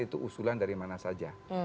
itu usulan dari mana saja